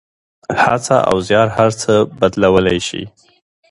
هڅه او زیار هر څه بدلولی شي.